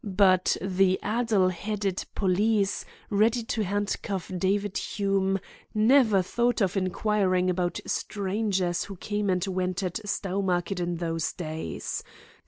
But the addle headed police, ready to handcuff David Hume, never thought of inquiring about strangers who came and went at Stowmarket in those days.